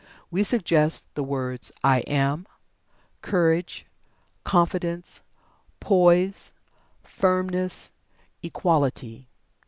We suggest the words "I Am"; Courage; Confidence; Poise; Firmness; Equality.